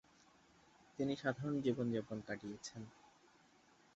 তিনি সাধারণ জীবন যাপন কাটিয়েছেন।